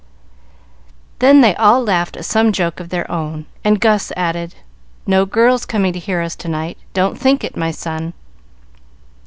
Then they all laughed at some joke of their own, and Gus added, "No girls coming to hear us to night. Don't think it, my son.